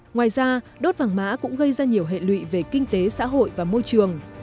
ngoài ra đốt vàng mã cũng gây ra nhiều hệ lụy về kinh tế xã hội và môi trường